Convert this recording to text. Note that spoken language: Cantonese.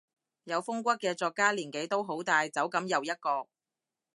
有風骨嘅作家年紀都好大，走噉又一個